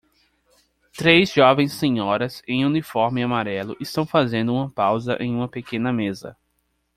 Três jovens senhoras em uniforme amarelo estão fazendo uma pausa em uma pequena mesa.